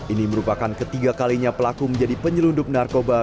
ini merupakan ketiga kalinya pelaku menjadi penyelundup narkoba